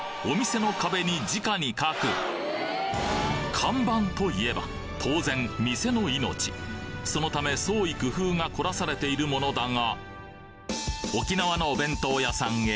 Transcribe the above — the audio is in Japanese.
「看板」といえば当然店の命そのため創意工夫がこらされているものだが沖縄のお弁当屋さんへ。